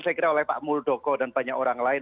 saya kira oleh pak muldoko dan banyak orang lain